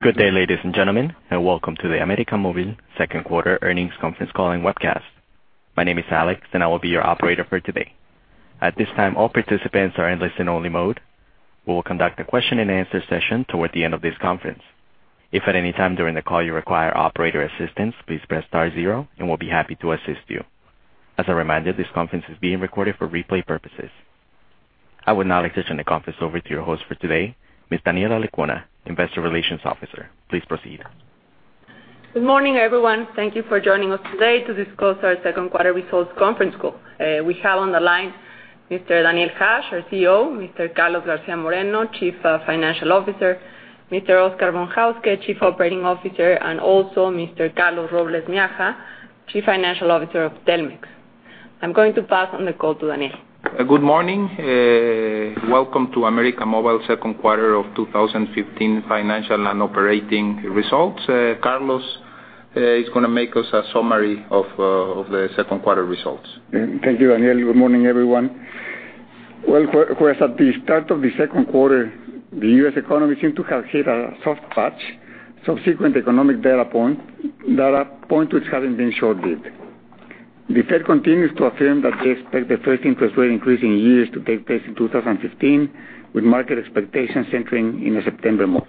Good day, ladies and gentlemen, and welcome to the América Móvil second quarter earnings conference calling webcast. My name is Alex, and I will be your operator for today. At this time, all participants are in listen-only mode. We will conduct a question-and-answer session toward the end of this conference. If at any time during the call you require operator assistance, please press star zero and we'll be happy to assist you. As a reminder, this conference is being recorded for replay purposes. I would now like to turn the conference over to your host for today, Ms. Daniela Lecuona, Investor Relations Officer. Please proceed. Good morning, everyone. Thank you for joining us today to discuss our second quarter results conference call. We have on the line Mr. Daniel Hajj, our CEO, Mr. Carlos García Moreno, Chief Financial Officer, Mr. Oscar Von Hauske, Chief Operating Officer, and also Mr. Carlos Robles Miaja, Chief Financial Officer of Telmex. I'm going to pass on the call to Daniel. Good morning. Welcome to América Móvil's second quarter of 2015 financial and operating results. Carlos is going to make us a summary of the second quarter results. Thank you, Daniel. Good morning, everyone. Well, of course, at the start of the second quarter, the U.S. economy seemed to have hit a soft patch. Subsequent economic data points haven't been short-lived. The Fed continues to affirm that they expect the first interest rate increase in years to take place in 2015, with market expectations centering in the September month.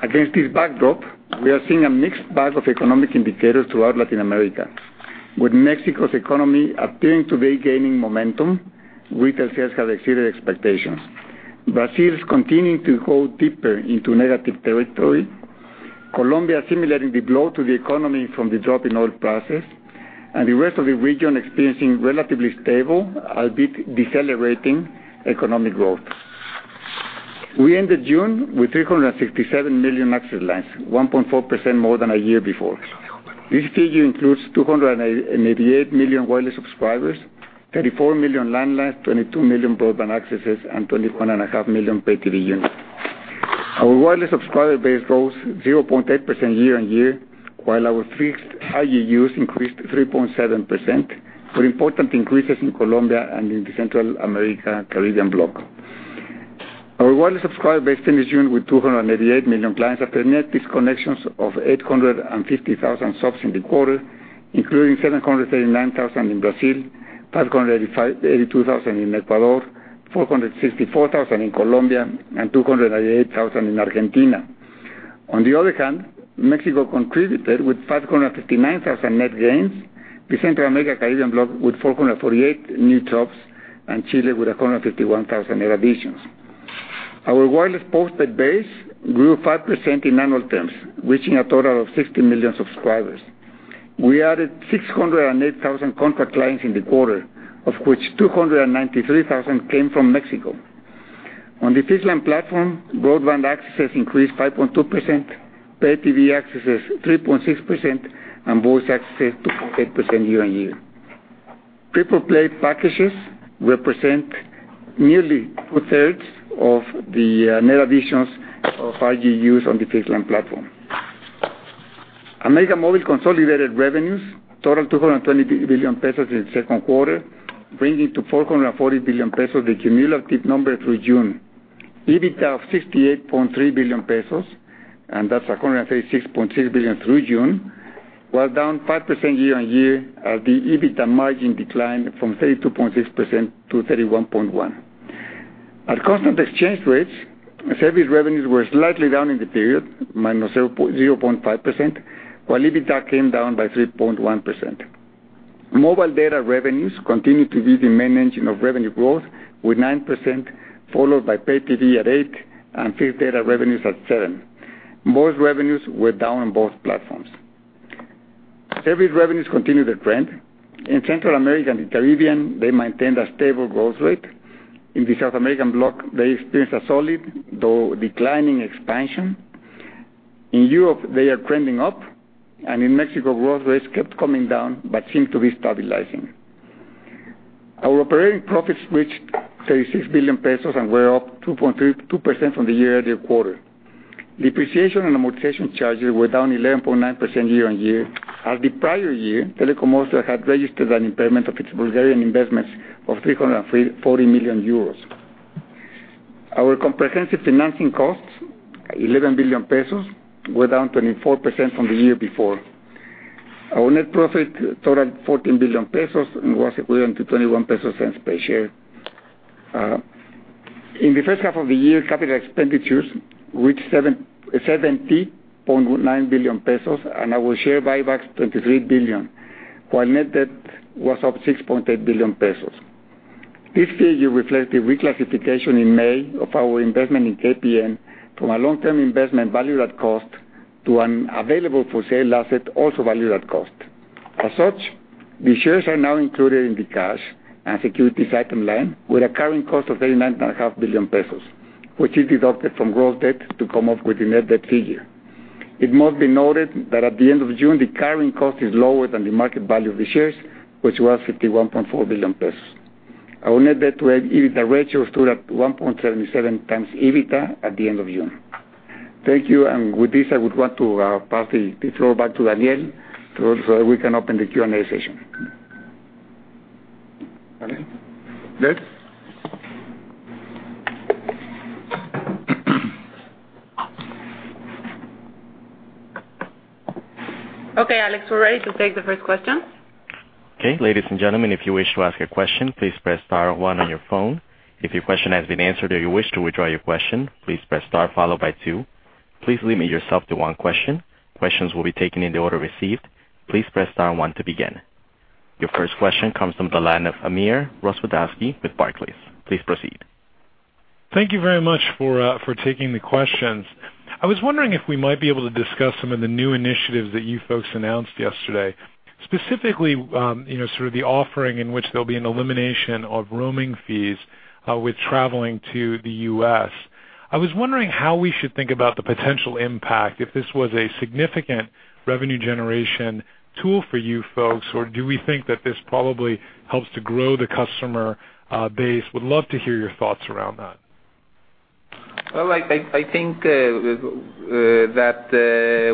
Against this backdrop, we are seeing a mixed bag of economic indicators throughout Latin America, with Mexico's economy appearing to be gaining momentum. Retail sales have exceeded expectations. Brazil is continuing to go deeper into negative territory, Colombia assimilating the blow to the economy from the drop in oil prices, and the rest of the region experiencing relatively stable, albeit decelerating, economic growth. We ended June with 367 million access lines, 1.4% more than a year before. This figure includes 288 million wireless subscribers, 34 million landlines, 22 million broadband accesses, and 21.5 million pay TV units. Our wireless subscriber base rose 0.8% year-on-year, while our fixed RGU increased 3.7%, with important increases in Colombia and in the Central America Caribbean block. Our wireless subscriber base ended June with 288 million clients after net disconnections of 850,000 subs in the quarter, including 739,000 in Brazil, 582,000 in Ecuador, 464,000 in Colombia, and 288,000 in Argentina. On the other hand, Mexico contributed with 559,000 net gains, the Central America Caribbean block with 448 new tops, and Chile with 151,000 net additions. Our wireless postpaid base grew 5% in annual terms, reaching a total of 60 million subscribers. We added 608,000 contract clients in the quarter, of which 293,000 came from Mexico. On the fixed line platform, broadband accesses increased 5.2%, pay TV accesses 3.6%, and voice accesses 2.8% year-on-year. Prepaid packages represent nearly two-thirds of the net additions of RGUs on the fixed line platform. América Móvil consolidated revenues totaled 220 billion pesos in the second quarter, bringing to 440 billion pesos the cumulative number through June. EBITDA of 68.3 billion pesos, and that's 136.6 billion through June, was down 5% year-on-year as the EBITDA margin declined from 32.6% to 31.1%. At constant exchange rates, service revenues were slightly down in the period, -0.5%, while EBITDA came down by 3.1%. Mobile data revenues continue to be the main engine of revenue growth with 9%, followed by pay TV at 8% and fixed data revenues at 7%. Voice revenues were down on both platforms. Service revenues continue the trend. In Central America and the Caribbean, they maintained a stable growth rate. In the South American block, they experienced a solid, though declining, expansion. In Europe, they are trending up, and in Mexico, growth rates kept coming down but seem to be stabilizing. Our operating profits reached 36 billion pesos and were up 2.2% from the year-earlier quarter. Depreciation and amortization charges were down 11.9% year-on-year. At the prior year, Telecom Italia had registered an impairment of its Bulgarian investments of 340 million euros. Our comprehensive financing costs, 11 billion pesos, were down 24% from the year before. Our net profit totaled 14 billion pesos and was equivalent to 0.21 per share. In the first half of the year, capital expenditures reached 70.9 billion pesos, and our share buybacks 23 billion, while net debt was up 6.8 billion pesos. This figure reflects the reclassification in May of our investment in KPN from a long-term investment valued at cost to an available-for-sale asset also valued at cost. As such, the shares are now included in the cash and securities item line with a carrying cost of 39.5 billion pesos, which is deducted from gross debt to come up with the net debt figure. It must be noted that at the end of June, the carrying cost is lower than the market value of the shares, which was 51.4 billion pesos. Our net debt to EBITDA ratio stood at 1.77 times EBITDA at the end of June. Thank you. With this, I would want to pass the floor back to Daniel so that we can open the Q&A session. Okay. Good? Okay, Alex, we're ready to take the first question. Okay. Ladies and gentlemen, if you wish to ask a question, please press star one on your phone. If your question has been answered or you wish to withdraw your question, please press star followed by two. Please limit yourself to one question. Questions will be taken in the order received. Please press star one to begin. Your first question comes from the line of Amir Rozwadowski with Barclays. Please proceed. Thank you very much for taking the questions. I was wondering if we might be able to discuss some of the new initiatives that you folks announced yesterday, specifically, sort of the offering in which there'll be an elimination of roaming fees with traveling to the U.S. I was wondering how we should think about the potential impact if this was a significant revenue generation tool for you folks, or do we think that this probably helps to grow the customer base? Would love to hear your thoughts around that. I think that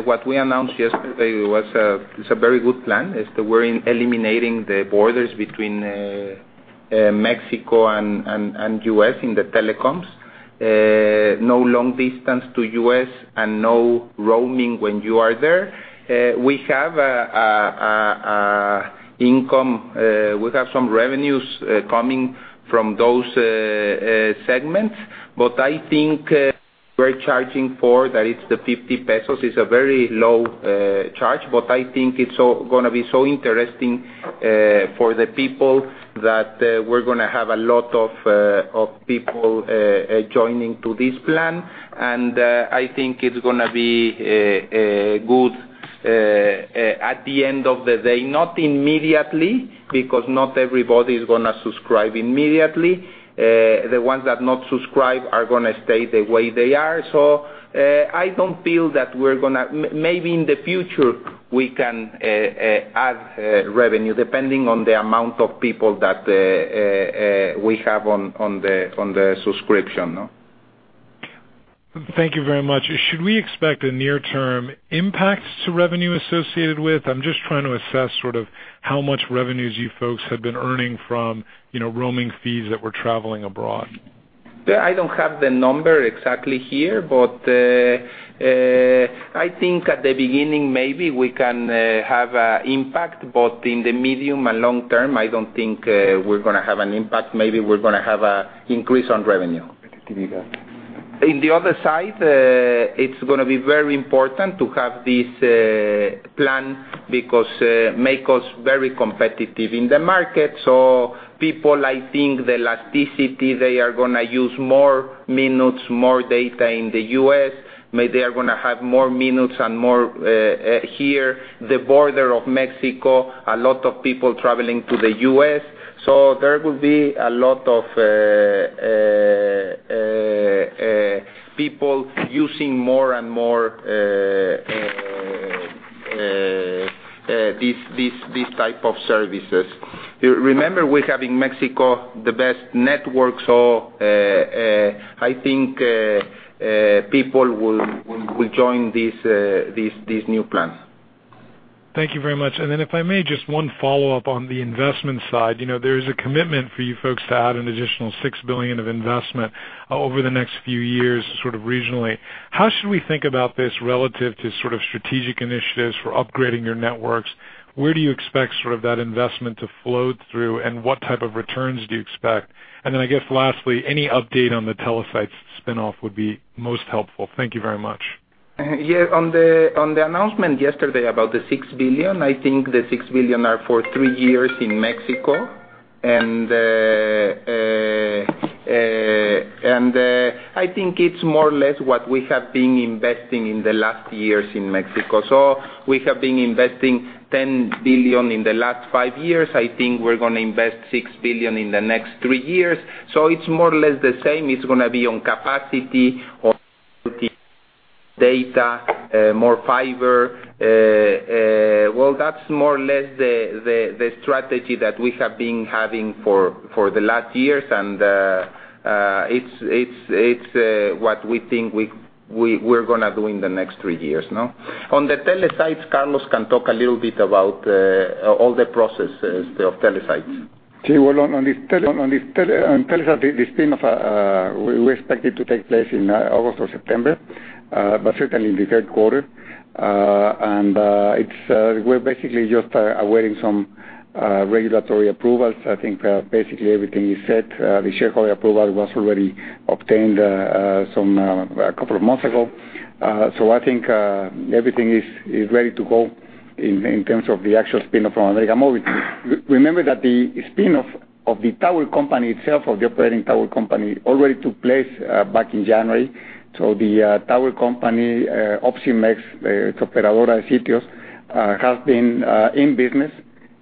what we announced yesterday was a very good plan, is that we're eliminating the borders between Mexico and U.S. in the telecoms. No long distance to U.S. and no roaming when you are there. We have income, we have some revenues coming from those segments. I think we're charging for, that it's the 50 pesos, it's a very low charge. I think it's going to be so interesting for the people that we're going to have a lot of people joining to this plan. I think it's going to be good at the end of the day. Not immediately, because not everybody is going to subscribe immediately. The ones that not subscribe are going to stay the way they are. Maybe in the future we can add revenue depending on the amount of people that we have on the subscription. Thank you very much. Should we expect a near term impact to revenue associated with? I'm just trying to assess sort of how much revenues you folks have been earning from roaming fees that were traveling abroad. I don't have the number exactly here, I think at the beginning, maybe we can have impact. In the medium and long term, I don't think we're going to have an impact. Maybe we're going to have an increase on revenue. Competitive. In the other side, it's going to be very important to have this plan because make us very competitive in the market. People, I think the elasticity, they are going to use more minutes, more data in the U.S. Maybe they are going to have more minutes and more here. The border of Mexico, a lot of people traveling to the U.S. There will be a lot of people using more and more these type of services. Remember, we have in Mexico the best network, so I think people will join these new plans. Thank you very much. If I may, just one follow-up on the investment side. There is a commitment for you folks to add an additional $6 billion of investment over the next few years, sort of regionally. How should we think about this relative to sort of strategic initiatives for upgrading your networks? Where do you expect sort of that investment to flow through, and what type of returns do you expect? I guess lastly, any update on the Telesites spinoff would be most helpful. Thank you very much. On the announcement yesterday about the $6 billion, I think the $6 billion are for three years in Mexico. I think it's more or less what we have been investing in the last years in Mexico. We have been investing $10 billion in the last five years. I think we're going to invest $6 billion in the next three years. It's more or less the same. It's going to be on capacity, on data, more fiber. Well, that's more or less the strategy that we have been having for the last years, and it's what we think we're going to do in the next three years. On the Telesites, Carlos can talk a little bit about all the processes of Telesites. On Telesites, the spinoff, we expect it to take place in August or September, but certainly in the third quarter. We're basically just awaiting some regulatory approvals. I think basically everything is set. The shareholder approval was already obtained a couple of months ago. I think everything is ready to go in terms of the actual spinoff from América Móvil. Remember that the spinoff of the tower company itself, of the operating tower company, already took place back in January. The tower company, Opsimex, Operadora de Sites Mexicanos, has been in business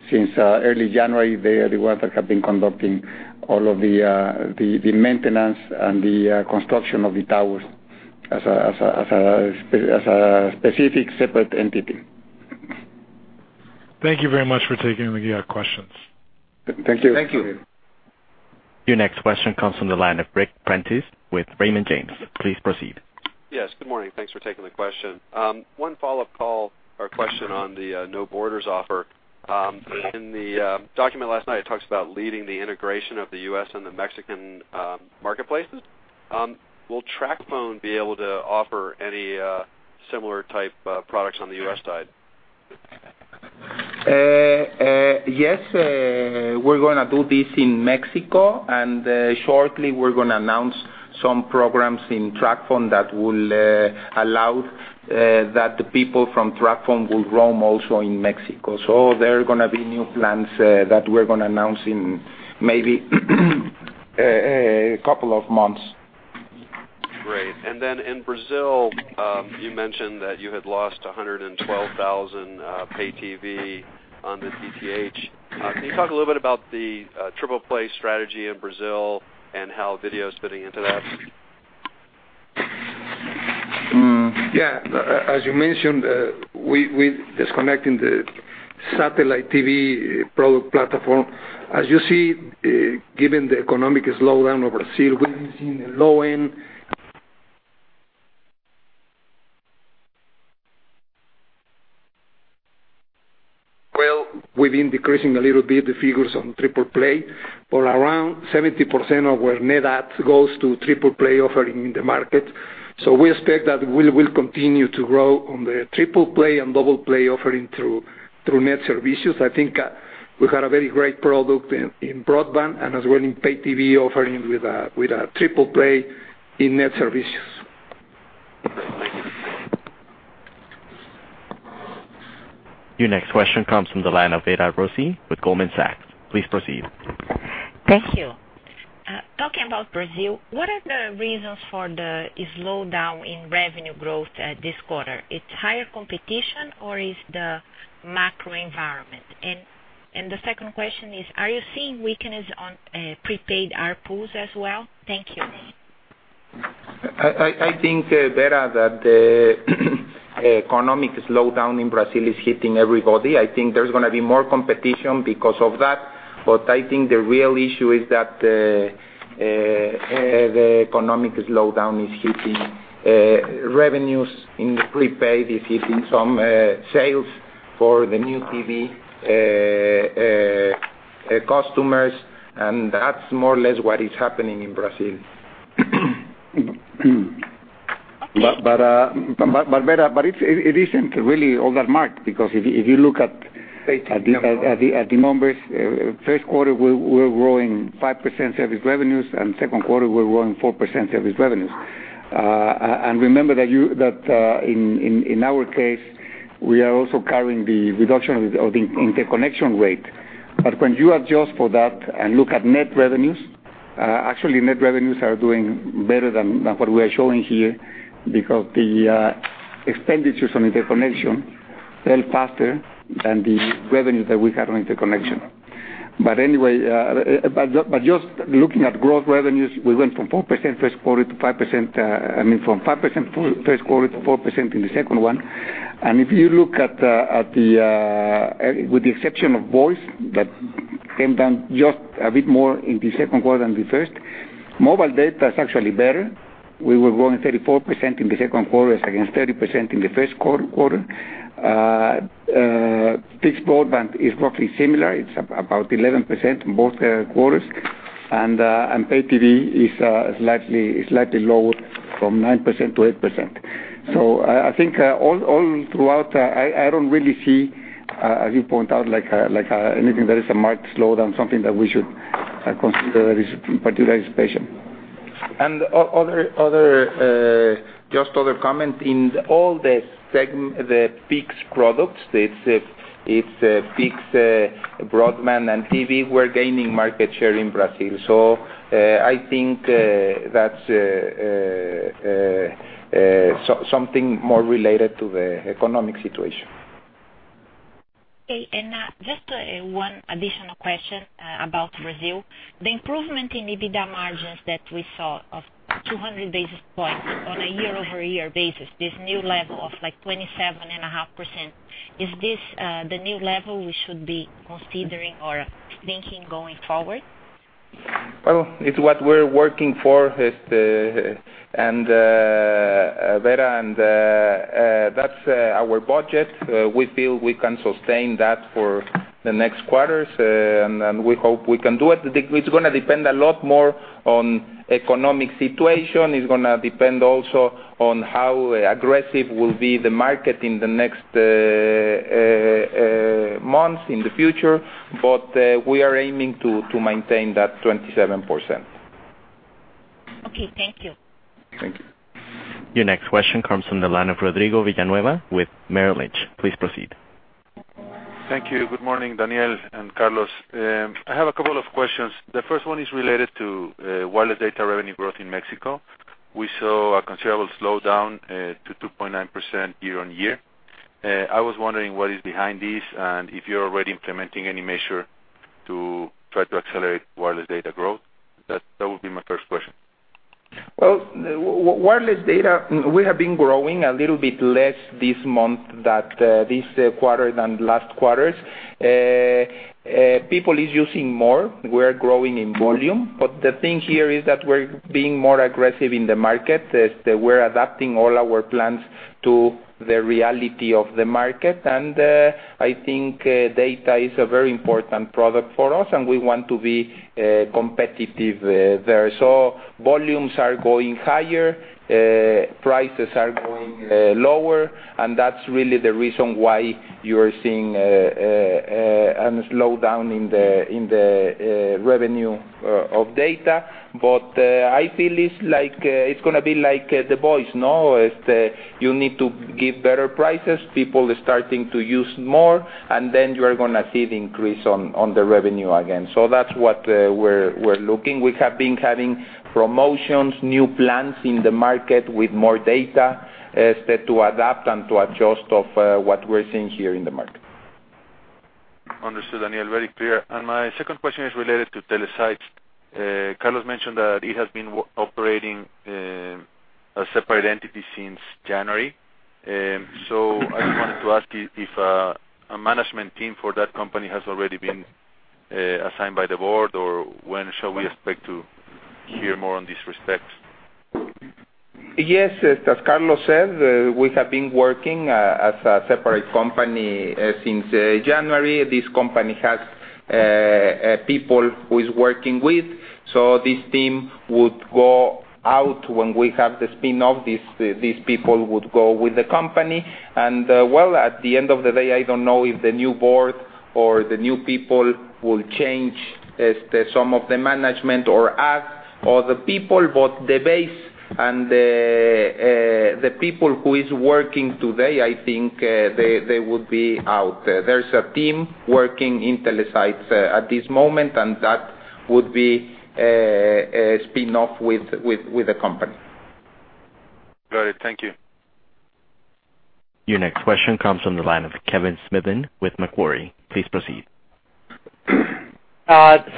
since early January. They are the ones that have been conducting all of the maintenance and the construction of the towers as a specific separate entity. Thank you very much for taking the questions. Thank you. Thank you. Your next question comes from the line of Ric Prentiss with Raymond James. Please proceed. Yes. Good morning. Thanks for taking the question. One follow-up call or question on the No Borders offer. In the document last night, it talks about leading the integration of the U.S. and the Mexican marketplaces. Will TracFone be able to offer any similar type of products on the U.S. side? Yes, we're going to do this in Mexico. Shortly we're going to announce some programs in TracFone that will allow the people from TracFone to roam also in Mexico. There are going to be new plans that we're going to announce in maybe a couple of months. Great. Then in Brazil, you mentioned that you had lost 112,000 pay TV on the DTH. Can you talk a little bit about the triple play strategy in Brazil and how video is fitting into that? Yeah. As you mentioned, we're disconnecting the satellite TV product platform. As you see, given the economic slowdown of Brazil, we've seen the low end. Well, we've been decreasing a little bit the figures on triple play, but around 70% of our net adds goes to triple play offering in the market. We expect that we will continue to grow on the triple play and double play offering through Net Serviços. I think we have a very great product in broadband, and as well in pay TV offering with triple play in Net Serviços. Your next question comes from the line of Vera Rossi with Goldman Sachs. Please proceed. Thank you. Talking about Brazil, what are the reasons for the slowdown in revenue growth this quarter? It's higher competition, or is it the macro environment? The second question is: Are you seeing weakness on prepaid ARPU as well? Thank you. I think, Vera, that the economic slowdown in Brazil is hitting everybody. I think there's going to be more competition because of that. I think the real issue is that the economic slowdown is hitting revenues in the prepaid, it's hitting some sales for the new TV customers, that's more or less what is happening in Brazil. Vera, it isn't really all that marked, because if you look at the numbers, first quarter, we're growing 5% service revenues, second quarter, we're growing 4% service revenues. Remember that in our case, we are also carrying the reduction of the interconnection rate. When you adjust for that and look at net revenues, actually net revenues are doing better than what we are showing here because the expenditures on interconnection fell faster than the revenue that we had on interconnection. Just looking at growth revenues, we went from 5% first quarter to 4% in the second one. If you look at, with the exception of voice, that came down just a bit more in the second quarter than the first. Mobile data is actually better. We were growing 34% in the second quarter against 30% in the first quarter. Fixed broadband is roughly similar. It's about 11% in both quarters. Pay TV is slightly lower from 9% to 8%. I think all throughout, I don't really see, as you point out, anything that is a marked slowdown, something that we should consider that is particularization. Just other comment, in all the fixed products, it's fixed broadband and TV, we're gaining market share in Brazil. I think that's something more related to the economic situation. Okay, just one additional question about Brazil. The improvement in EBITDA margins that we saw of 200 basis points on a year-over-year basis, this new level of 27.5%, is this the new level we should be considering or thinking going forward? Well, it's what we're working for, Vera, that's our budget. We feel we can sustain that for the next quarters, we hope we can do it. It's going to depend a lot more on economic situation. It's going to depend also on how aggressive will be the market in the next months, in the future. We are aiming to maintain that 27%. Okay. Thank you. Thank you. Your next question comes from the line of Rodrigo Villanueva with Merrill Lynch. Please proceed. Thank you. Good morning, Daniel and Carlos. I have a couple of questions. The first one is related to wireless data revenue growth in Mexico. We saw a considerable slowdown to 2.9% year-on-year. I was wondering what is behind this and if you're already implementing any measure to try to accelerate wireless data growth. That would be my first question. Well, wireless data, we have been growing a little bit less this quarter than last quarters. People is using more. We're growing in volume, but the thing here is that we're being more aggressive in the market, as we're adapting all our plans to the reality of the market. I think data is a very important product for us, and we want to be competitive there. Volumes are going higher, prices are going lower, and that's really the reason why you are seeing a slowdown in the revenue of data. I feel it's going to be like The Voice. You need to give better prices, people are starting to use more, and then you are going to see the increase on the revenue again. That's what we're looking. We have been having promotions, new plans in the market with more data, as to adapt and to adjust of what we're seeing here in the market. Understood, Daniel. Very clear. My second question is related to Telesites. Carlos mentioned that it has been operating a separate entity since January. I just wanted to ask you if a management team for that company has already been assigned by the board, or when shall we expect to hear more on this respect? Yes. As Carlos said, we have been working as a separate company since January. This company has people who is working with, this team would go out when we have the spin-off. These people would go with the company and, well, at the end of the day, I don't know if the new board or the new people will change some of the management or add other people, but the base and the people who is working today, I think they would be out. There's a team working in Telesites at this moment, and that would be a spin-off with the company. Got it. Thank you. Your next question comes from the line of Kevin Smithen with Macquarie. Please proceed.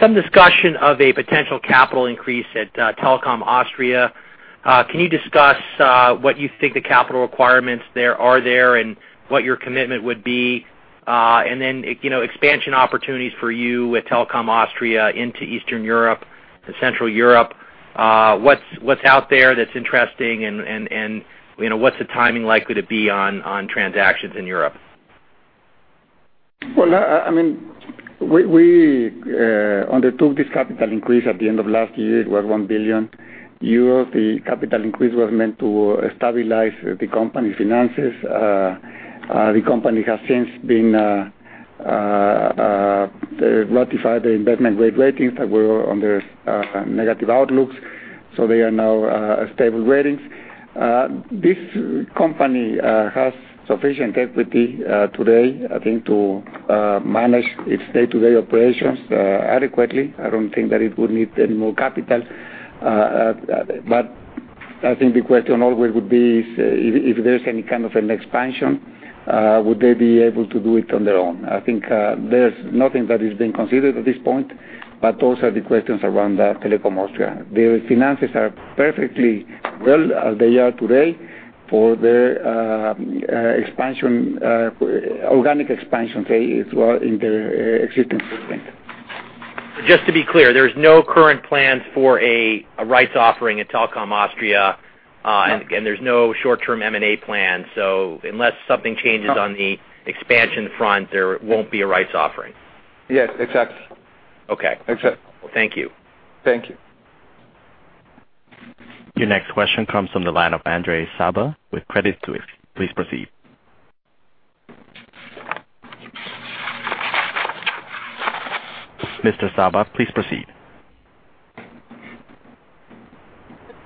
Some discussion of a potential capital increase at Telekom Austria. Can you discuss what you think the capital requirements are there, and what your commitment would be? Expansion opportunities for you with Telekom Austria into Eastern Europe, to Central Europe. What's out there that's interesting, and what's the timing likely to be on transactions in Europe? We undertook this capital increase at the end of last year. It was 1 billion euros. The capital increase was meant to stabilize the company's finances. The company has since been ratified the investment-grade ratings that were under negative outlooks. They are now stable ratings. This company has sufficient equity today, I think, to manage its day-to-day operations adequately. I don't think that it would need any more capital. I think the question always would be, if there's any kind of an expansion, would they be able to do it on their own? I think there's nothing that is being considered at this point, but those are the questions around the Telekom Austria. Their finances are perfectly well as they are today for their organic expansion phase in their existing footprint. Just to be clear, there's no current plans for a rights offering at Telekom Austria. No. There's no short-term M&A plan. Unless something changes on the expansion front, there won't be a rights offering. Yes, exactly. Okay. Exactly. Thank you. Thank you. Your next question comes from the line of Andre Saba with Credit Suisse. Please proceed. Mr. Saba, please proceed.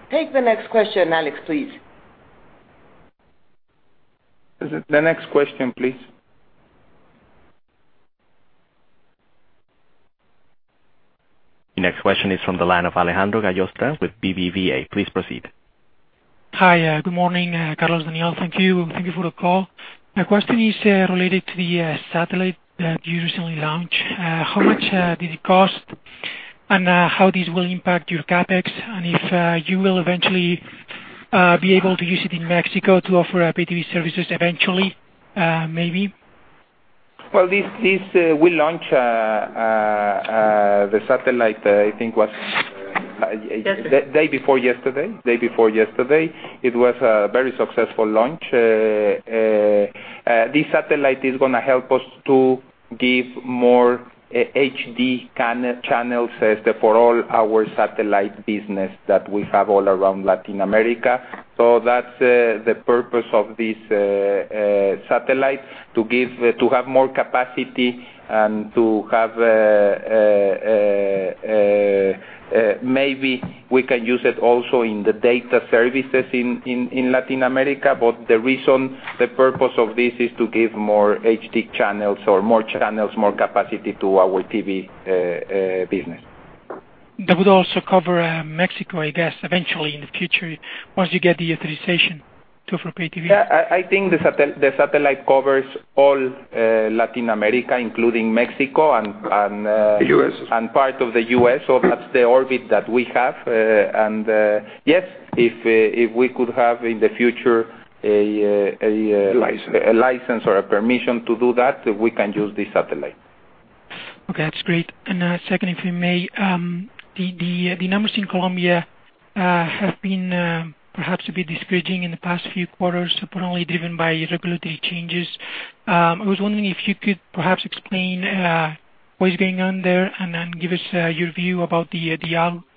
Take the next question, Alex, please. The next question, please. The next question is from the line of Alejandro Gallostra with BBVA. Please proceed. Hi. Good morning, Carlos, Daniel. Thank you. Thank you for the call. My question is related to the satellite that you recently launched. How much did it cost, and how this will impact your CapEx, and if you will eventually be able to use it in Mexico to offer pay TV services eventually, maybe? Well, we launched the satellite, I think. Yesterday day before yesterday. It was a very successful launch. This satellite is going to help us to give more HD channels as for all our satellite business that we have all around Latin America. That's the purpose of this satellite, to have more capacity and to have, maybe we can use it also in the data services in Latin America. The reason, the purpose of this is to give more HD channels or more channels, more capacity to our TV business. That would also cover Mexico, I guess, eventually in the future, once you get the authorization. I think the satellite covers all Latin America, including Mexico. The U.S. part of the U.S. That's the orbit that we have. Yes, if we could have, in the future, a License a license or a permission to do that, we can use this satellite. Okay, that's great. Second, if we may, the numbers in Colombia have been perhaps a bit discouraging in the past few quarters, apparently driven by regulatory changes. I was wondering if you could perhaps explain what is going on there, and then give us your view about the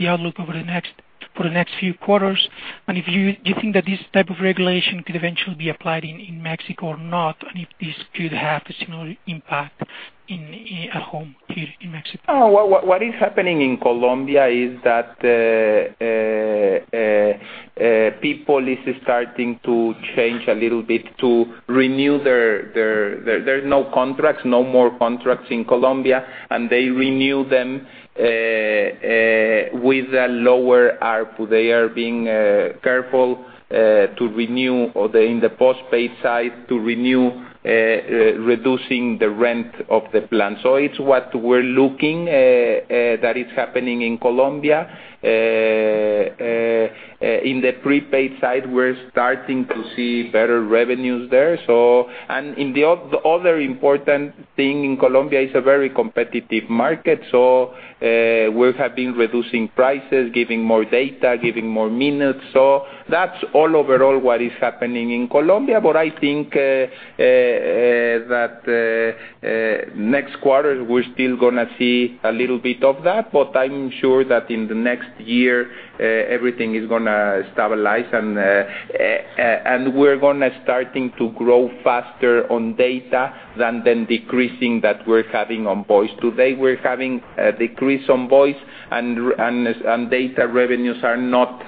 outlook over the next few quarters. Do you think that this type of regulation could eventually be applied in Mexico or not? If this could have a similar impact at home here in Mexico? What is happening in Colombia is that people is starting to change a little bit to renew their. There's no contracts, no more contracts in Colombia, and they renew them with a lower ARPU. They are being careful to renew or, in the postpaid side, to renew, reducing the rent of the plan. It's what we're looking that is happening in Colombia. In the prepaid side, we're starting to see better revenues there. The other important thing in Colombia, it's a very competitive market. We have been reducing prices, giving more data, giving more minutes. That's all overall what is happening in Colombia. I think that next quarter, we're still going to see a little bit of that. I'm sure that in the next year, everything is going to stabilize, and we're going to starting to grow faster on data than decreasing that we're having on voice. Today, we're having a decrease on voice, and data revenues are not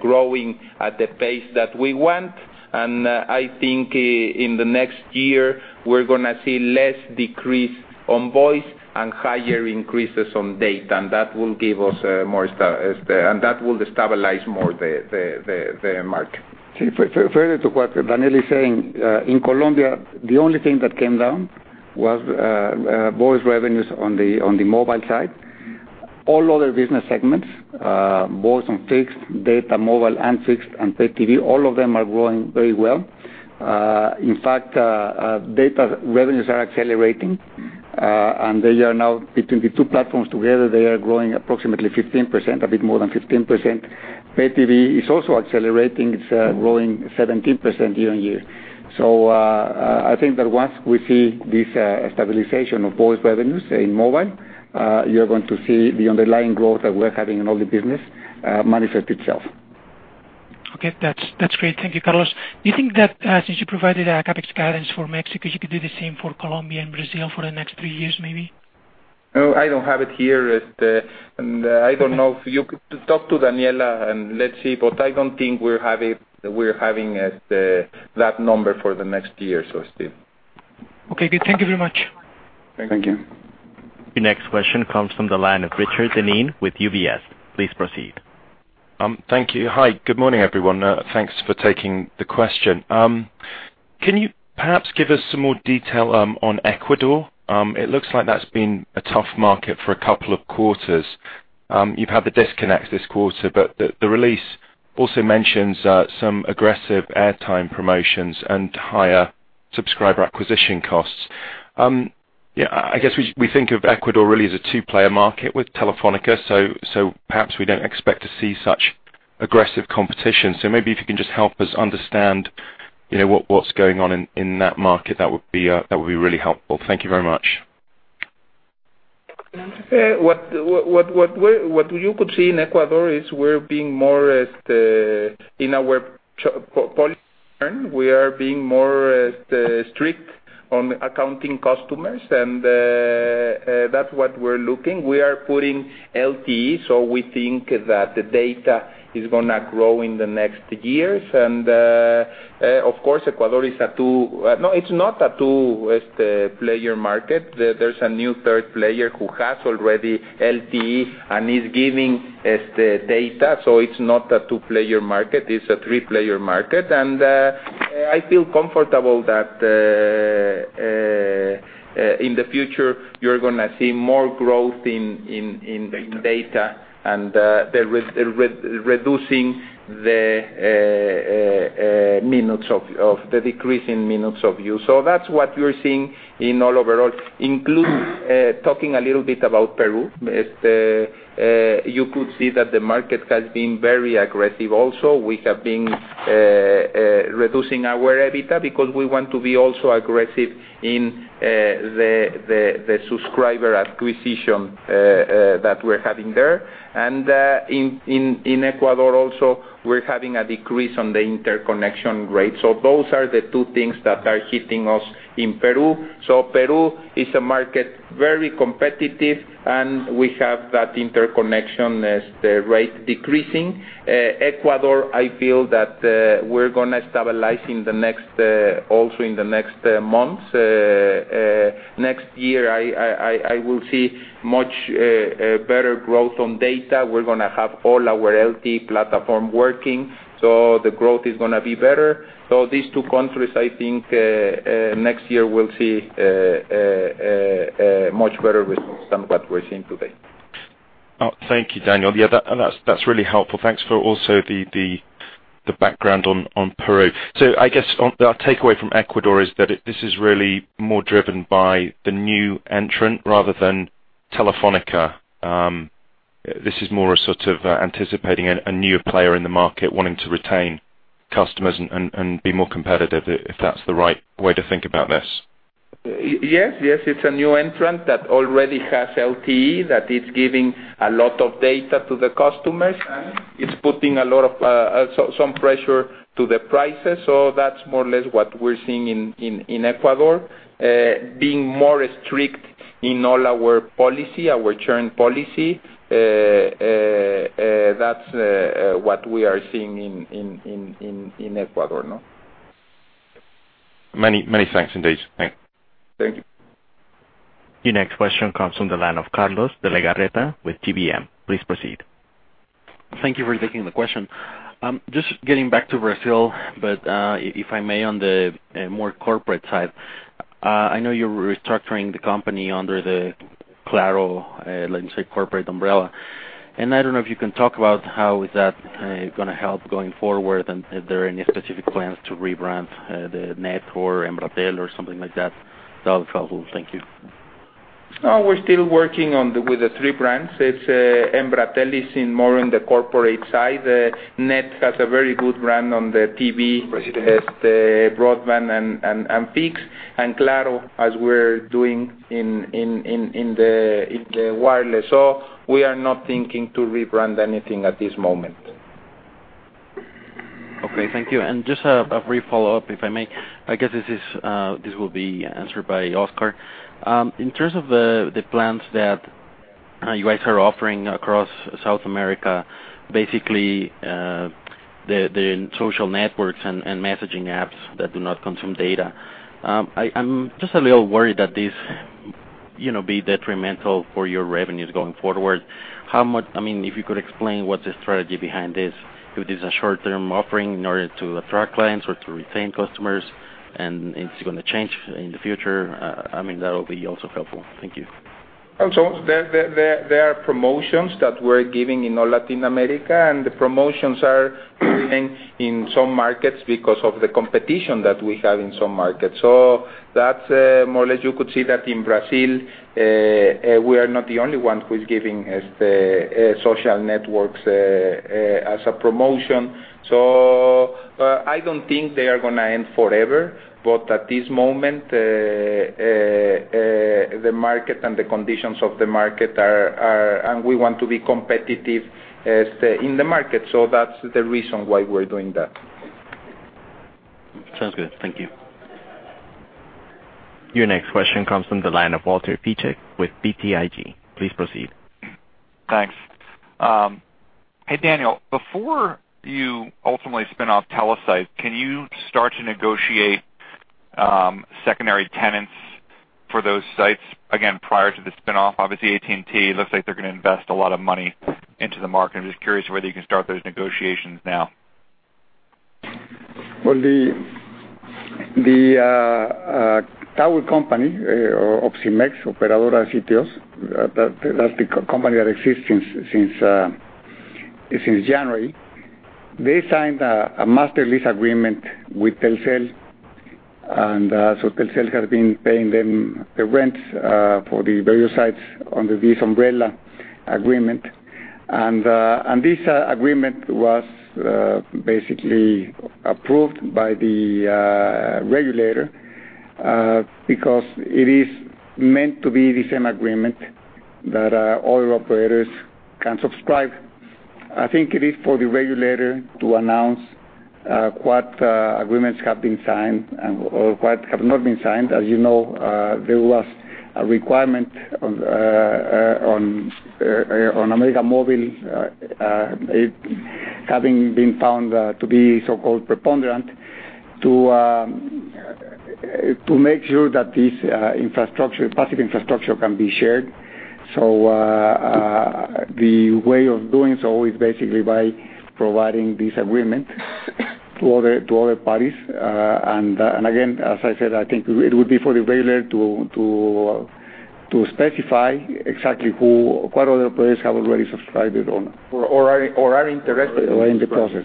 growing at the pace that we want. I think in the next year, we're going to see less decrease on voice and higher increases on data. That will stabilize more the market. Further to what Daniel is saying, in Colombia, the only thing that came down was voice revenues on the mobile side. All other business segments, voice and fixed data, mobile and fixed and pay TV, all of them are growing very well. In fact, data revenues are accelerating. Between the two platforms together, they are growing approximately 15%, a bit more than 15%. Pay TV is also accelerating. It's growing 17% year-on-year. I think that once we see this stabilization of voice revenues in mobile, you're going to see the underlying growth that we're having in all the business manifest itself. Okay, that's great. Thank you, Carlos. Do you think that since you provided a CapEx guidance for Mexico, you could do the same for Colombia and Brazil for the next three years, maybe? No, I don't have it here. Talk to Daniela and let's see. I don't think we're having that number for the next year, still. Okay, good. Thank you very much. Thank you. Thank you. Your next question comes from the line of Richard Dineen with UBS. Please proceed. Thank you. Hi, good morning, everyone. Thanks for taking the question. Can you perhaps give us some more detail on Ecuador? It looks like that's been a tough market for a couple of quarters. You've had the disconnect this quarter, but the release also mentions some aggressive airtime promotions and higher subscriber acquisition costs. I guess we think of Ecuador really as a two-player market with Telefónica, perhaps we don't expect to see such aggressive competition. Maybe if you can just help us understand what's going on in that market, that would be really helpful. Thank you very much. What you could see in Ecuador is we're being more, in our policy turn, we are being more strict on accounting customers, and that's what we're looking. We are putting LTE, we think that the data is going to grow in the next years. Of course, Ecuador, it's not a two-player market. There's a new third player who has already LTE and is giving data. It's not a two-player market. It's a three-player market. I feel comfortable that in the future you're going to see more growth in data and reducing the decrease in minutes of use. That's what we're seeing in all overall, including talking a little bit about Peru. You could see that the market has been very aggressive also. We have been reducing our EBITDA because we want to be also aggressive in the subscriber acquisition that we're having there. In Ecuador also, we're having a decrease on the interconnection rate. Those are the two things that are hitting us in Peru. Peru is a market very competitive, and we have that interconnection rate decreasing. Ecuador, I feel that we're going to stabilize also in the next months. Next year, I will see much better growth on data. We're going to have all our LTE platform working. The growth is going to be better. These two countries, I think, next year we'll see a much better result than what we're seeing today. Oh, thank you, Daniel. Yeah, that's really helpful. Thanks for also the background on Peru. I guess our takeaway from Ecuador is that this is really more driven by the new entrant rather than Telefónica. This is more a sort of anticipating a newer player in the market wanting to retain customers and be more competitive, if that's the right way to think about this. Yes, it's a new entrant that already has LTE, that is giving a lot of data to the customers. It's putting a lot of pressure to the prices. That's more or less what we're seeing in Ecuador. Being more strict in all our policy, our churn policy, that's what we are seeing in Ecuador now. Many thanks indeed. Thanks. Thank you. Your next question comes from the line of Carlos de Legarreta with TBM. Please proceed. Thank you for taking the question. If I may, on the more corporate side. I know you're restructuring the company under the Claro, let's say, corporate umbrella. I don't know if you can talk about how is that going to help going forward, and if there are any specific plans to rebrand the NET or Embratel or something like that? That would be helpful. Thank you. We're still working with the three brands. Embratel is in more on the corporate side. NET has a very good brand on the TV, the broadband, and fix, and Claro as we're doing in the wireless. We are not thinking to rebrand anything at this moment. Okay, thank you. Just a brief follow-up, if I may. I guess this will be answered by Oscar. In terms of the plans that you guys are offering across South America, basically, the social networks and messaging apps that do not consume data. I'm just a little worried that this be detrimental for your revenues going forward. If you could explain what the strategy behind this, if this is a short-term offering in order to attract clients or to retain customers, and it's going to change in the future, that'll be also helpful. Thank you. There are promotions that we're giving in all Latin America. The promotions are in some markets because of the competition that we have in some markets. That's more or less you could see that in Brazil, we are not the only ones who's giving as the social networks as a promotion. I don't think they are going to end forever. At this moment, the market and the conditions of the market are. We want to be competitive as in the market. That's the reason why we're doing that. Sounds good. Thank you. Your next question comes from the line of Walter Piecyk with BTIG. Please proceed. Thanks. Hey, Daniel, before you ultimately spin off Telesites, can you start to negotiate secondary tenants for those sites? Prior to the spin-off, obviously, AT&T looks like they're going to invest a lot of money into the market. I'm just curious whether you can start those negotiations now. Well, the tower company, Opsimex, Operadora de Sites, that's the company that exists since January. They signed a master lease agreement with Telcel. Telcel has been paying them the rent for the various sites under this umbrella agreement. This agreement was basically approved by the regulator because it is meant to be the same agreement that all operators can subscribe. I think it is for the regulator to announce what agreements have been signed or what have not been signed. As you know, there was a requirement on América Móvil having been found to be so-called preponderant to make sure that this infrastructure, passive infrastructure, can be shared. The way of doing so is basically by providing this agreement to other parties. Again, as I said, I think it would be for the regulator to specify exactly who, what other players have already subscribed it on or are interested in the process.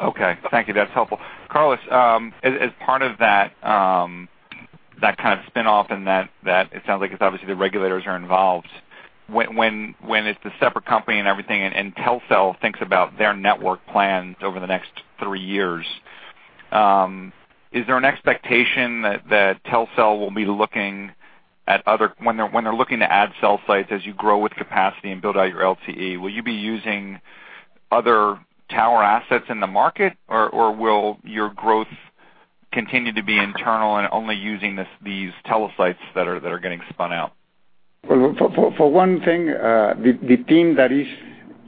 Okay. Thank you. That's helpful. Carlos, as part of that kind of spin-off and that it sounds like it's obviously the regulators are involved. When it's the separate company and everything, and Telcel thinks about their network plans over the next three years, is there an expectation that Telcel will be looking at when they're looking to add cell sites as you grow with capacity and build out your LTE, will you be using other tower assets in the market, or will your growth continue to be internal and only using these Telesites that are getting spun out? Well, for one thing, the team that is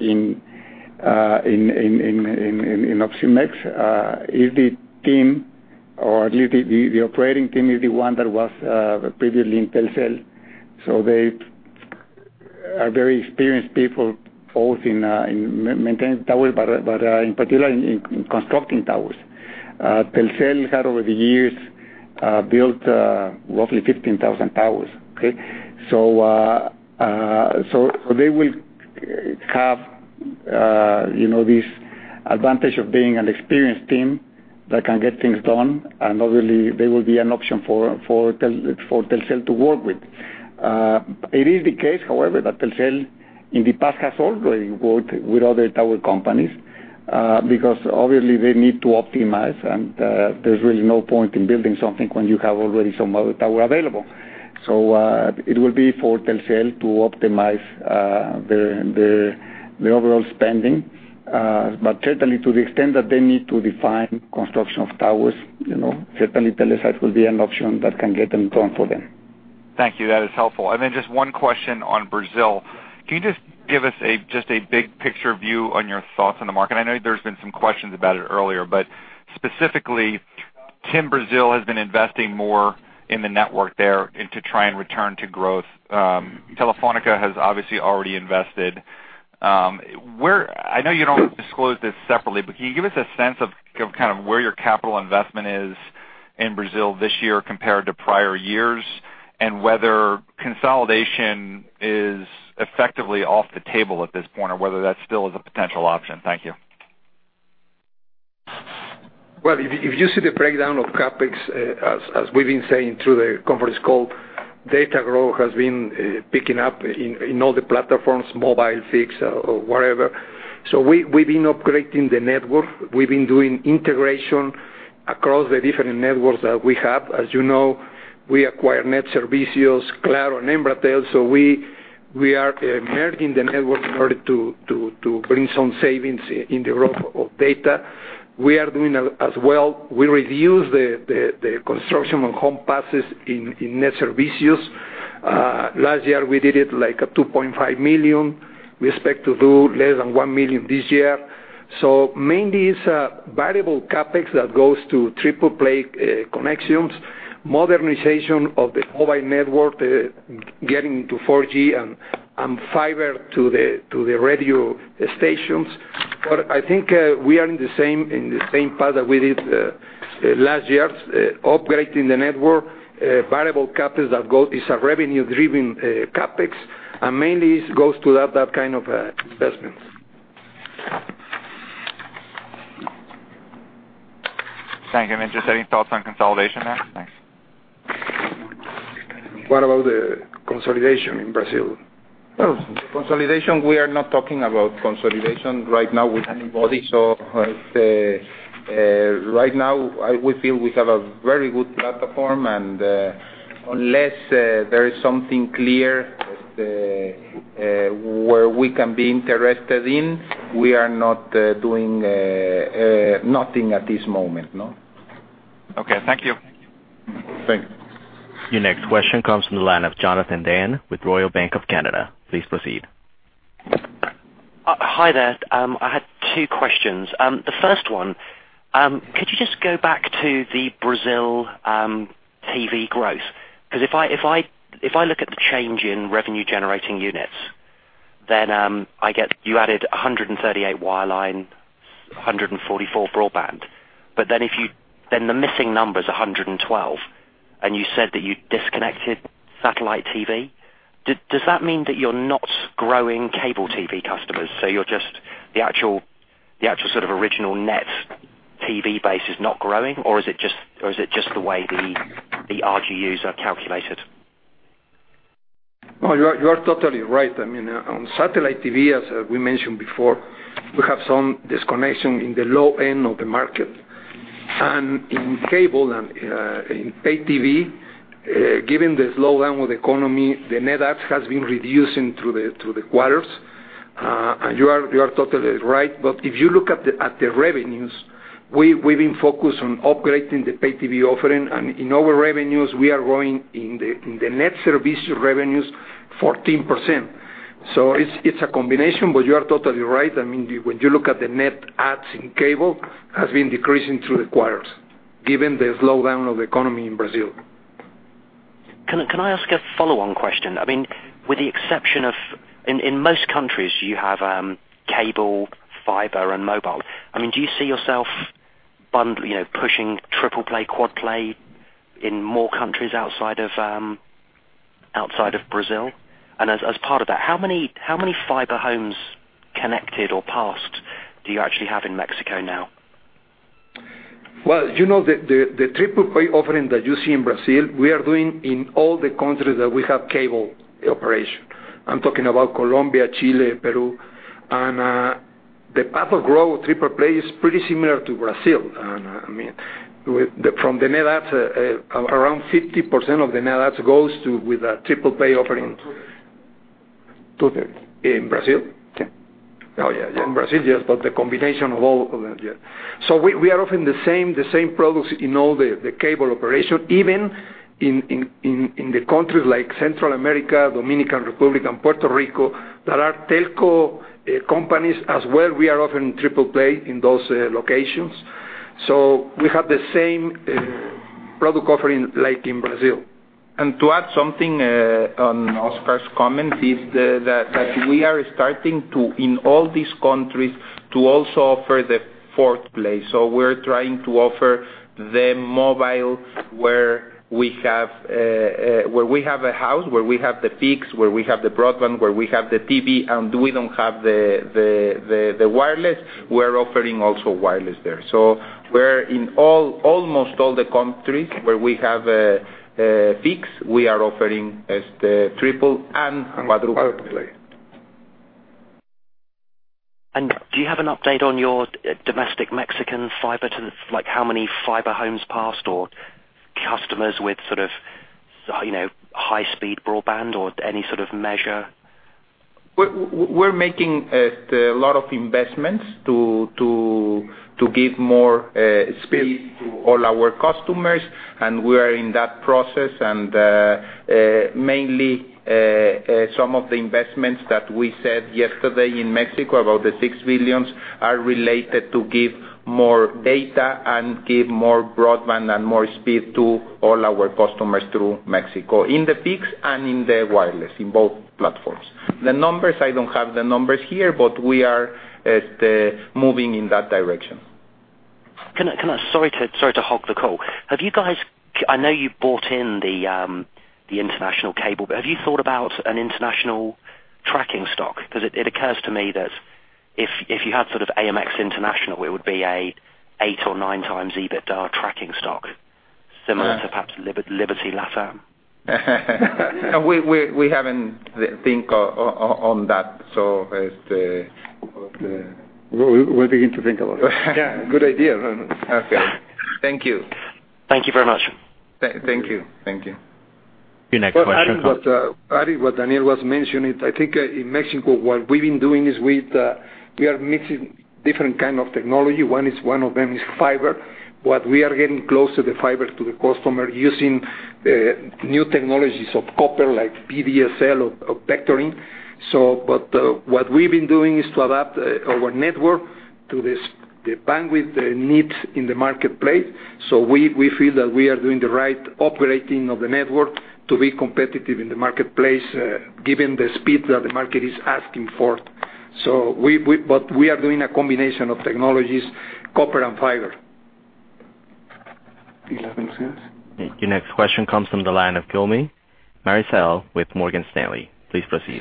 in Opsimex is the team, or at least the operating team is the one that was previously in Telcel. They are very experienced people, both in maintaining towers, but in particular in constructing towers. Telcel had over the years built roughly 15,000 towers. They will have this advantage of being an experienced team that can get things done and obviously they will be an option for Telcel to work with. It is the case, however, that Telcel in the past has already worked with other tower companies because obviously they need to optimize and there's really no point in building something when you have already some other tower available. It will be for Telcel to optimize the overall spending. To the extent that they need to define construction of towers, certainly Telesites will be an option that can get them done for them. Thank you. That is helpful. Then just one question on Brazil. Can you just give us a big picture view on your thoughts on the market? I know there's been some questions about it earlier, but specifically, TIM Brasil has been investing more in the network there and to try and return to growth. Telefónica has obviously already invested. I know you don't disclose this separately, but can you give us a sense of where your capital investment is in Brazil this year compared to prior years? And whether consolidation is effectively off the table at this point, or whether that still is a potential option. Thank you. Well, if you see the breakdown of CapEx, as we've been saying through the conference call, data growth has been picking up in all the platforms, mobile, fixed, or whatever. We've been upgrading the network. We've been doing integration across the different networks that we have. As you know, we acquired Net Serviços, Claro, and Embratel, we are merging the network in order to bring some savings in the growth of data. We are doing as well. We reduced the construction of home passes in Net Serviços. Last year we did it like 2.5 million. We expect to do less than 1 million this year. Mainly it's a variable CapEx that goes to triple-play connections, modernization of the mobile network, getting to 4G and fiber to the base stations. I think we are in the same path that we did last year, upgrading the network, variable CapEx that these are revenue-driven CapEx, and mainly it goes to that kind of investment. Thank you. Just any thoughts on consolidation there? Thanks. What about the consolidation in Brazil? Well, the consolidation, we are not talking about consolidation right now with anybody. Right now, we feel we have a very good platform and unless there is something clear where we can be interested in, we are not doing nothing at this moment, no. Okay. Thank you. Thank you. Your next question comes from the line of Jonathan Dane with Royal Bank of Canada. Please proceed. Hi there. I had two questions. The first one, could you just go back to the Brazil TV growth? If I look at the change in revenue generating units, then I get you added 138 wireline, 144 broadband. The missing number is 112, and you said that you disconnected satellite TV. Does that mean that you're not growing cable TV customers? The actual sort of original net TV base is not growing, or is it just the way the RGUs are calculated? No, you are totally right. On satellite TV, as we mentioned before, we have some disconnection in the low end of the market. In cable and in pay TV, given the slowdown with economy, the net adds has been reducing through the quarters. You are totally right. If you look at the revenues, we've been focused on upgrading the pay TV offering, and in our revenues, we are growing in the Net Serviços revenues 14%. It's a combination, but you are totally right. When you look at the net adds in cable, has been decreasing through the quarters given the slowdown of the economy in Brazil. Can I ask a follow-on question? In most countries, you have cable, fiber, and mobile. Do you see yourself pushing triple play, quad play in more countries outside of Brazil? As part of that, how many fiber homes connected or passed do you actually have in Mexico now? Well, the triple-play offering that you see in Brazil, we are doing in all the countries that we have cable operation. I'm talking about Colombia, Chile, Peru. The path of growth, triple-play, is pretty similar to Brazil. From the net adds, around 50% of the net adds goes to with a triple-play offering. Two-thirds. Two-thirds. In Brazil? Yeah. Oh, yeah. In Brazil, yes, the combination of all of them, yes. We are offering the same products in all the cable operation, even in the countries like Central America, Dominican Republic, and Puerto Rico, that are telco companies as well. We are offering triple-play in those locations. We have the same Product offering like in Brazil. To add something on Oscar's comment is that we are starting to, in all these countries, to also offer the quad play. We're trying to offer the mobile where we have a house, where we have the fixed, where we have the broadband, where we have the TV, and we don't have the wireless. We're offering also wireless there. We're in almost all the countries where we have a fixed, we are offering the triple and quad play. Do you have an update on your domestic Mexican fiber to, like, how many fiber homes passed or customers with sort of high-speed broadband or any sort of measure? We're making a lot of investments to give more speed to all our customers, and we are in that process. Mainly, some of the investments that we said yesterday in Mexico, about the $6 billion, are related to give more data and give more broadband and more speed to all our customers through Mexico, in the fixed and in the wireless, in both platforms. The numbers, I don't have the numbers here, but we are moving in that direction. Sorry to hog the call. I know you bought in the international cable, but have you thought about an international tracking stock? It occurs to me that if you had sort of AMX International, it would be a eight or nine times EBITDA tracking stock, similar to perhaps Liberty Latin. We haven't think on that. We'll begin to think about it. Yeah. Good idea. Okay. Thank you. Thank you very much. Thank you. Your next question comes- Adding what Daniel was mentioning, I think in Mexico, what we've been doing is we are mixing different kind of technology. One of them is fiber. What we are getting close to the fiber to the customer using new technologies of copper, like VDSL or vectoring. What we've been doing is to adapt our network to the bandwidth, the needs in the marketplace. We feel that we are doing the right operating of the network to be competitive in the marketplace, given the speed that the market is asking for. We are doing a combination of technologies, copper and fiber. Your next question comes from the line of Maricel Quitoriano with Morgan Stanley, please proceed.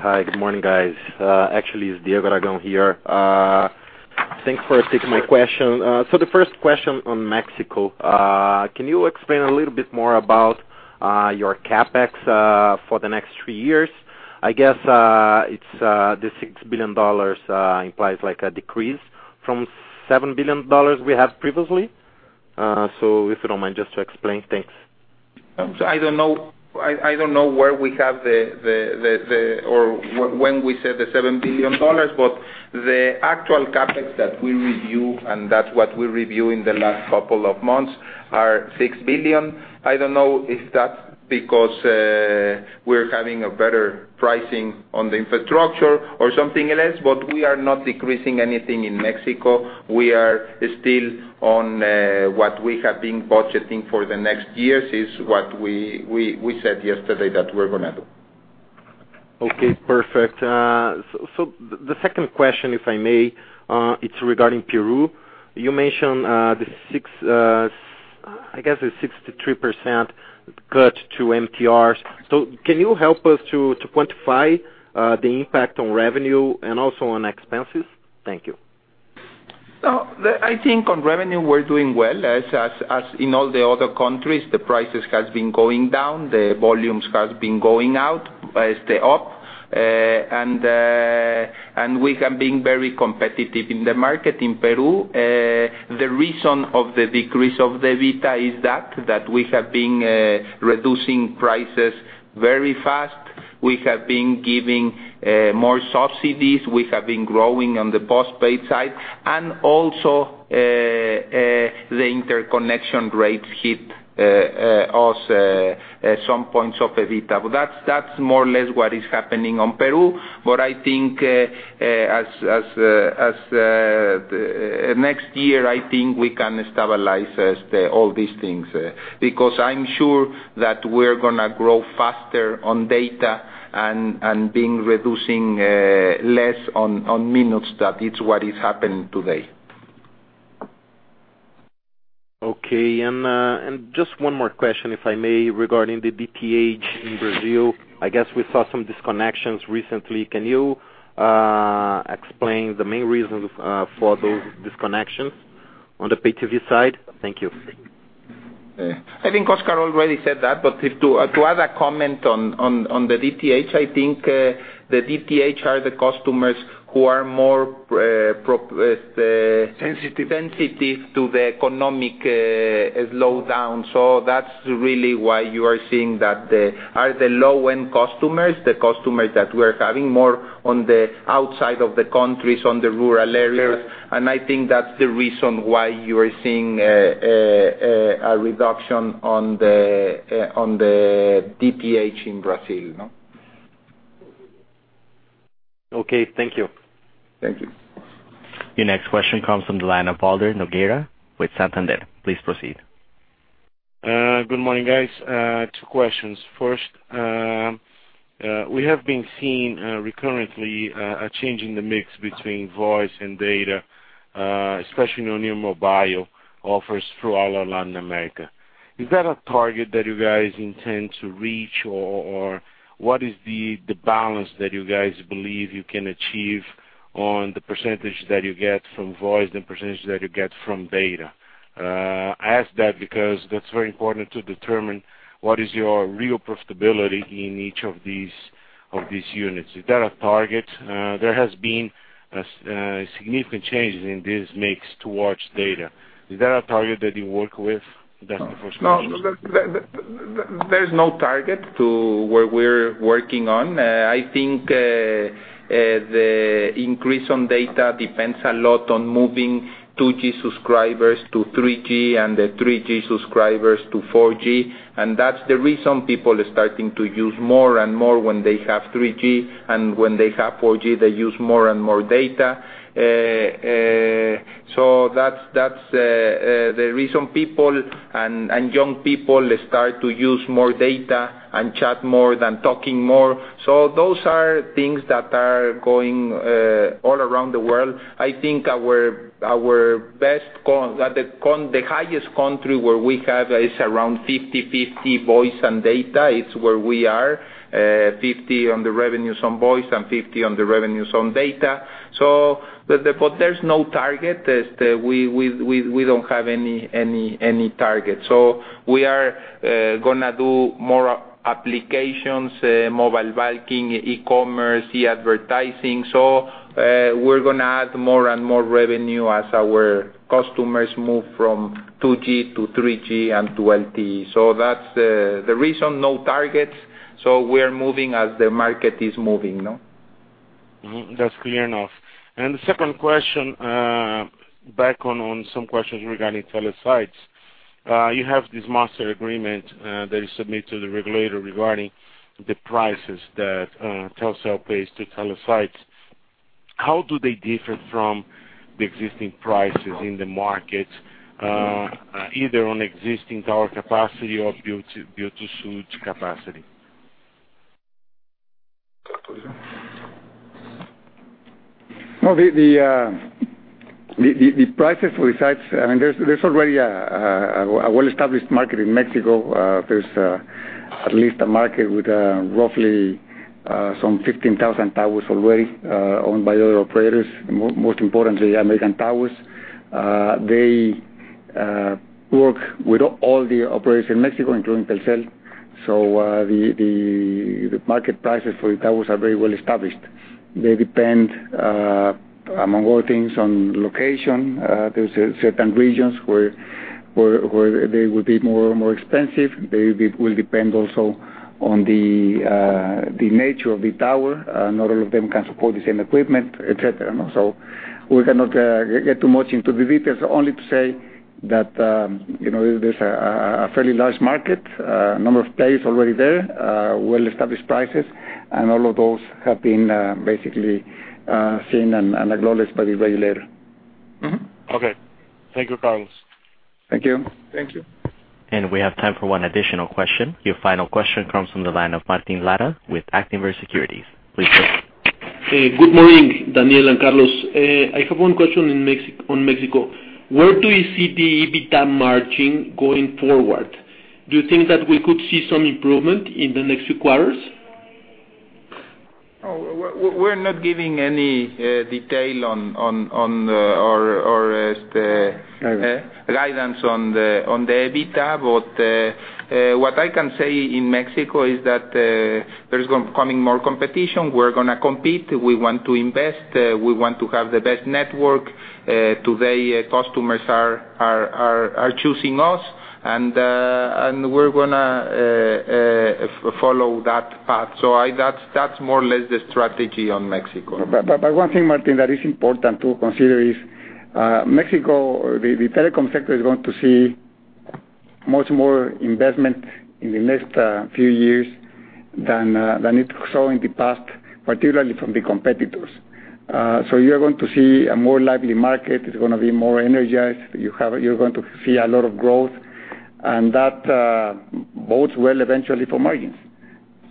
Hi. Good morning, guys. Actually, it's Diego Aragon here. Thanks for taking my question. The first question on Mexico. Can you explain a little bit more about your CapEx for the next three years? I guess, the MXN 6 billion implies like a decrease from MXN 7 billion we had previously. If you don't mind just to explain. Thanks. I don't know when we said the MXN 7 billion, but the actual CapEx that we review, and that's what we review in the last couple of months, are 6 billion. I don't know if that's because we're having a better pricing on the infrastructure or something else, but we are not decreasing anything in Mexico. We are still on what we have been budgeting for the next years is what we said yesterday that we're going to do. Okay, perfect. The second question, if I may, it's regarding Peru. You mentioned the, I guess, a 63% cut to MTRs. Can you help us to quantify the impact on revenue and also on expenses? Thank you. I think on revenue, we're doing well. As in all the other countries, the prices has been going down. The volumes has been going out, up. We have been very competitive in the market in Peru. The reason of the decrease of the EBITDA is that we have been reducing prices very fast. We have been giving more subsidies. We have been growing on the postpaid side, and also, the interconnection rates hit us at some points of EBITDA. That's more or less what is happening on Peru. I think as next year, I think we can stabilize all these things. I'm sure that we're going to grow faster on data and being reducing less on minutes. That is what is happening today. Okay. Just one more question, if I may, regarding the DTH in Brazil. I guess we saw some disconnections recently. Can you explain the main reasons for those disconnections on the pay TV side? Thank you. I think Oscar already said that, but to add a comment on the DTH, I think the DTH are the customers who are more- Sensitive sensitive to the economic slowdown. That's really why you are seeing that they are the low-end customers, the customers that we're having more on the outside of the countries, on the rural areas. I think that's the reason why you are seeing a reduction on the DTH in Brazil. Okay. Thank you. Thank you. Your next question comes from the line of Valder Nogueira with Santander. Please proceed. Good morning, guys. Two questions. First, we have been seeing, recurrently, a change in the mix between voice and data, especially on your mobile offers throughout Latin America. Is that a target that you guys intend to reach, or what is the balance that you guys believe you can achieve on the percentage that you get from voice and percentage that you get from data? I ask that because that is very important to determine what is your real profitability in each of these units. Is that a target? There has been a significant change in this mix towards data. Is that a target that you work with? That is the first question. No, there's no target to what we're working on. I think the increase on data depends a lot on moving 2G subscribers to 3G and the 3G subscribers to 4G. That's the reason people are starting to use more and more when they have 3G, and when they have 4G, they use more and more data. That's the reason people and young people start to use more data and chat more than talking more. Those are things that are going all around the world. I think the highest country where we have is around 50/50 voice and data. It's where we are, 50 on the revenues on voice and 50 on the revenues on data. There's no target. We don't have any target. We are going to do more applications, mobile banking, e-commerce, e-advertising. We're going to add more and more revenue as our customers move from 2G to 3G and to LTE. That's the reason, no targets. We are moving as the market is moving. That's clear enough. The second question, back on some questions regarding Telesites. You have this master agreement that you submit to the regulator regarding the prices that Telcel pays to Telesites. How do they differ from the existing prices in the market, either on existing tower capacity or built-to-suit capacity? Carlos? The prices for the sites, there's already a well-established market in Mexico. There's at least a market with roughly some 15,000 towers already owned by other operators, most importantly, American Tower. They work with all the operators in Mexico, including Telcel. The market prices for the towers are very well established. They depend, among other things, on location. There's certain regions where they will be more expensive. They will depend also on the nature of the tower. Not all of them can support the same equipment, et cetera. We cannot get too much into the details, only to say that there's a fairly large market, a number of players already there, well-established prices, and all of those have been basically seen and acknowledged by the regulator. Mm-hmm. Okay. Thank you, Carlos. Thank you. Thank you. We have time for one additional question. Your final question comes from the line of Martin Lara with Actinver Securities. Please go ahead. Good morning, Daniel and Carlos. I have one question on Mexico. Where do you see the EBITDA margin going forward? Do you think that we could see some improvement in the next few quarters? We're not giving any detail on our guidance on the EBITDA. What I can say in Mexico is that there's coming more competition. We're going to compete. We want to invest. We want to have the best network. Today, customers are choosing us, and we're going to follow that path. That's more or less the strategy on Mexico. One thing, Martin, that is important to consider is Mexico, the telecom sector, is going to see much more investment in the next few years than it saw in the past, particularly from the competitors. You're going to see a more lively market. It's going to be more energized. You're going to see a lot of growth, and that bodes well eventually for margins.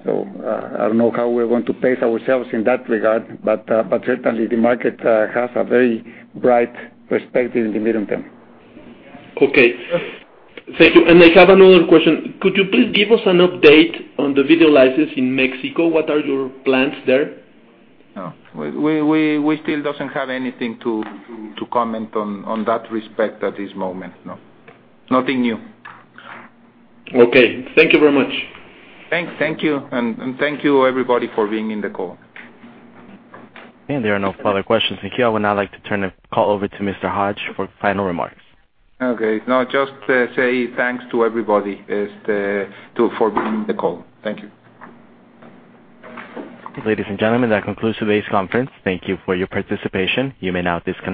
I don't know how we're going to pace ourselves in that regard, but certainly the market has a very bright perspective in the medium term. Okay. Thank you. I have another question. Could you please give us an update on the video license in Mexico? What are your plans there? We still don't have anything to comment on that respect at this moment. Nothing new. Thank you very much. Thanks. Thank you. Thank you, everybody, for being in the call. There are no further questions. Thank you. I would now like to turn the call over to Mr. Hajj for final remarks. Okay. No, just to say thanks to everybody for being in the call. Thank you. Ladies and gentlemen, that concludes today's conference. Thank you for your participation. You may now disconnect.